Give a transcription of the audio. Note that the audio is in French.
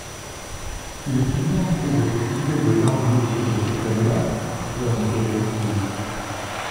Si l’étudiante pouvait s’occuper de l’un ou l’autre de ces thèmes-là cela nous serait utile.